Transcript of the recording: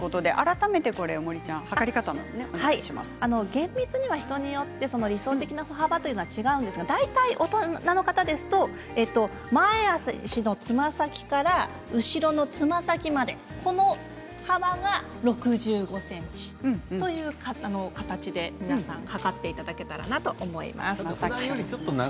厳密には人によって理想的な歩幅が違うんですけど大体、大人の方ですと前足のつま先から後ろのつま先までこの幅が６５ｃｍという形で皆さん測っていただけたらなと思います。